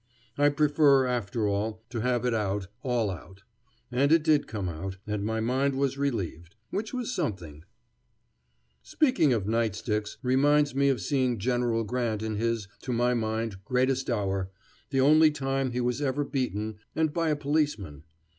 I prefer, after all, to have it out, all out. And it did come out, and my mind was relieved; which was something. [Illustration: "The General said never a word."] Speaking of night sticks reminds me of seeing General Grant in his to my mind greatest hour, the only time he was ever beaten, and by a policeman.